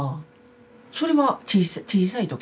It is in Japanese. それは小さい時？